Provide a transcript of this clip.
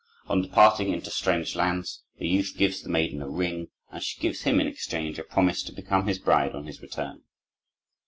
On departing into strange lands, the youth gives the maiden a ring and she gives him in exchange a promise to become his bride on his return.